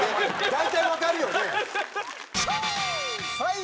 大体わかるよね。